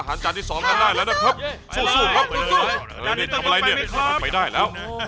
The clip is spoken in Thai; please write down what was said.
ถ้าแบบนี้เลยเรวันนั้นต้องไปเหมือนกันนะครับ